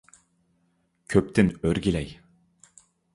«كۆپ»تىن ئۆرگىلەي!